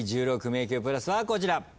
１６迷宮プラスはこちら。